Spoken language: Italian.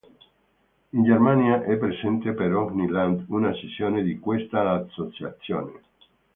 In Germania è presente per ogni Land una sezione di questa associazione.